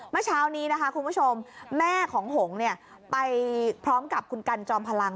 เมื่อเช้านี้นะคะคุณผู้ชมแม่ของหงไปพร้อมกับคุณกันจอมพลัง